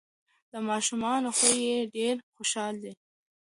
د ماشومانو خوی یې ډیر خوشحال دی.